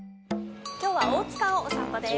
今日は大塚をお散歩です。